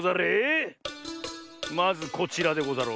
まずこちらでござろう。